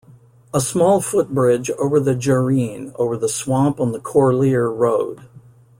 A small footbridge over the Jarine over the swamp on the Corlier road.